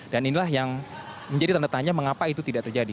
dan inilah yang menjadi tanda tanya mengapa itu tidak terjadi